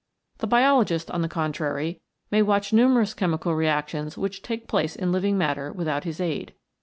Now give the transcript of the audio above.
The biologist, on the contrary, may watch numerous chemical reactions which take place in living matter without his aid.